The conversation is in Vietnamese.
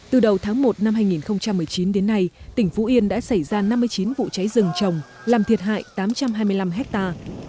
từ đầu tháng một năm hai nghìn một mươi chín đến nay tỉnh phú yên đã xảy ra năm mươi chín vụ cháy rừng trồng làm thiệt hại tám trăm hai mươi năm hectare